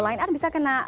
lion air bisa kena